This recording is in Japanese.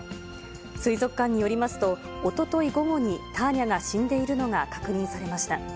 水族館によりますと、おととい午後にタアニャが死んでいるのが確認されました。